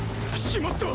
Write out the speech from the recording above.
しまった！